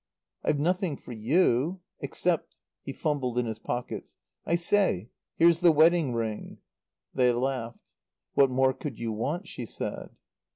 "I've nothing for you. Except " he fumbled in his pockets "I say here's the wedding ring." They laughed. "What more could you want?" she said.